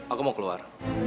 aku mau keluar